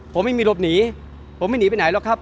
ผมไม่มีหลบหนีผมไม่หนีไปไหนหรอกครับ